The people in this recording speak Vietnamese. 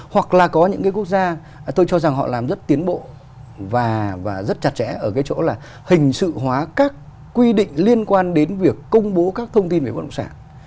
hoặc là có những cái quốc gia tôi cho rằng họ làm rất tiến bộ và rất chặt chẽ ở cái chỗ là hình sự hóa các quy định liên quan đến việc công bố các thông tin về bất động sản